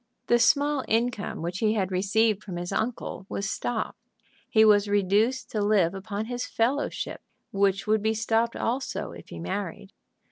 The small income which he had received from his uncle was stopped. He was reduced to live upon his fellowship, which would be stopped also if he married.